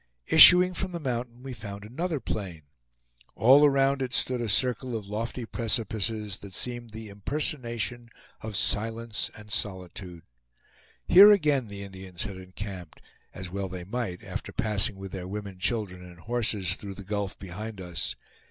Issuing from the mountain we found another plain. All around it stood a circle of lofty precipices, that seemed the impersonation of silence and solitude. Here again the Indians had encamped, as well they might, after passing with their women, children and horses through the gulf behind us.